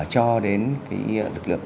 cho đến cái lực lượng